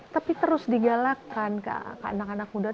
tapi terus digalakan ke anak anak muda